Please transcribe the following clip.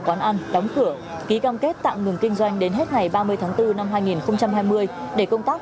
quán ăn đóng cửa ký cam kết tạm ngừng kinh doanh đến hết ngày ba mươi tháng bốn năm hai nghìn hai mươi để công tác